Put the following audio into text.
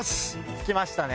着きましたね。